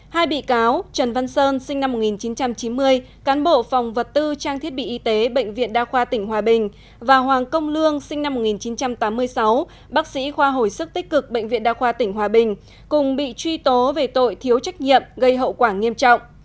hai bị cáo trần văn sơn sinh năm một nghìn chín trăm chín mươi cán bộ phòng vật tư trang thiết bị y tế bệnh viện đa khoa tỉnh hòa bình và hoàng công lương sinh năm một nghìn chín trăm tám mươi sáu bác sĩ khoa hồi sức tích cực bệnh viện đa khoa tỉnh hòa bình cùng bị truy tố về tội thiếu trách nhiệm gây hậu quả nghiêm trọng